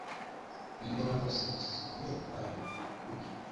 Ninde warose inzozi zikomeye, ubutwari, ukuri,